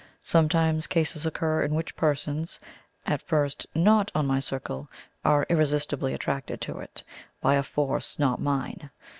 Sometimes cases occur in which persons, at first NOT on my circle, are irresistibly attracted to it by a force not mine.